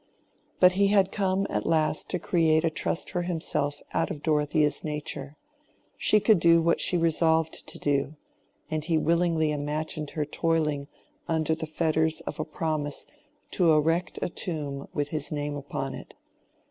But he had come at last to create a trust for himself out of Dorothea's nature: she could do what she resolved to do: and he willingly imagined her toiling under the fetters of a promise to erect a tomb with his name upon it.